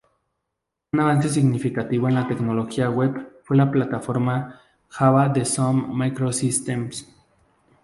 Un avance significativo en la tecnología web fue la Plataforma Java de Sun Microsystems.